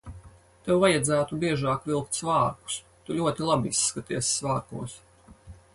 Tev vajadzētu biežāk vilkt svārkus. Tu ļoti labi izskaties svārkos.